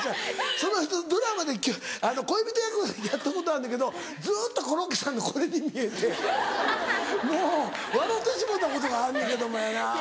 その人とドラマで恋人役やったことあんのやけどずっとコロッケさんのこれに見えてもう笑うてしもうたことがあんのやけどもやな。